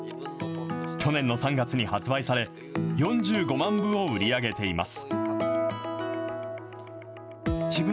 去年の３月に発売され、４５万部を売り上げています。